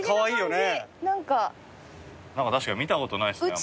何か確かに見たことないですね。